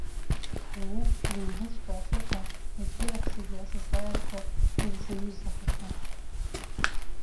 Уоуп лыҩныҵәҟьа ахьыҟоу, егьирахь зегьы асасааирҭа илзаҩызахахьан.